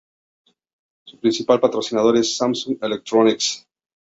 Su principal patrocinador es Samsung Electronics.